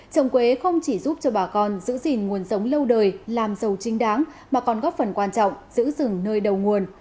trồng quế không chỉ giúp cho bà con giữ gìn nguồn sống lâu đời làm giàu chính đáng mà còn góp phần quan trọng giữ rừng nơi đầu nguồn